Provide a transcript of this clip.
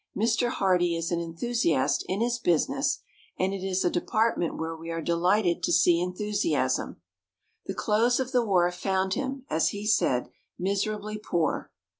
Mr. Hardee is an enthusiast in his business; and it is a department where we are delighted to see enthusiasm. The close of the war found him, as he said, miserably poor.